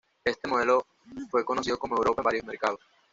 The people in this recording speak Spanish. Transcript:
Este modelo fue conocido como Europa en varios mercados.